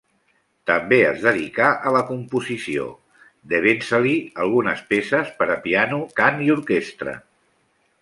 També es dedicà a la composició, devent-se-li algunes peces per a piano, cant i orquestra.